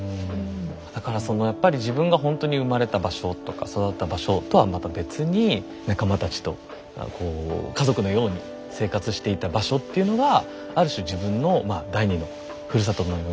だからそのやっぱり自分がほんとに生まれた場所とか育った場所とはまた別に仲間たちとこう家族のように生活していた場所っていうのがある種自分のまあ第２のふるさとのようになっていくという。